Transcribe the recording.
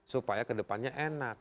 supaya kedepannya enak